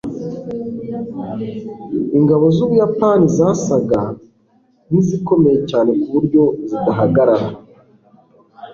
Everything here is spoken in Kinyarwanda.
ingabo z'ubuyapani zasaga nkizikomeye cyane ku buryo zidahagarara